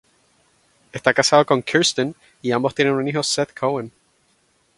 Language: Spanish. Está casado con Kirsten y ambos tienen un hijo, Seth Cohen.